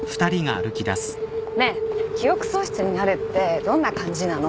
ねえ記憶喪失になるってどんな感じなの？